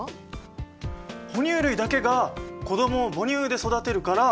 哺乳類だけが子どもを母乳で育てるから。